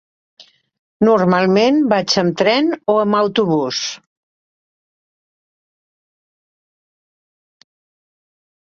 Normalment vaig amb tren o amb autobús.